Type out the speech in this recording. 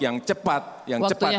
yang cepat yang cepat dan cepat